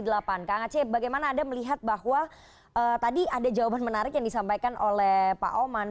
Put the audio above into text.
kang aceh bagaimana anda melihat bahwa tadi ada jawaban menarik yang disampaikan oleh pak oman